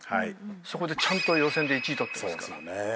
そこでちゃんと予選で１位とってますから。